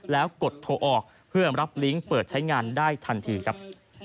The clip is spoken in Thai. แล้วกดโทรออกเพื่อรับลิงก์เปิดใช้งานได้ทันทีครับ